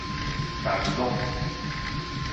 干樂